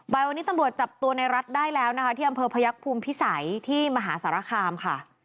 วันนี้ตำรวจจับตัวในรัฐได้แล้วนะคะที่อำเภอพยักษ์ภูมิพิสัยที่มหาสารคามค่ะ